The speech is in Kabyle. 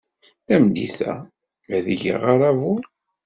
Tameddit-a, ad d-geɣ aṛabul.